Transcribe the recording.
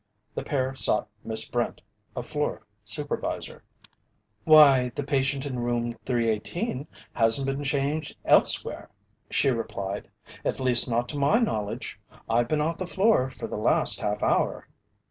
The pair sought Miss Brent, a floor supervisor. "Why, the patient in Room 318 hasn't been changed elsewhere," she replied. "At least, not to my knowledge. I've been off the floor for the last half hour."